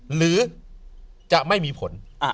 หรือจะไม่มีผล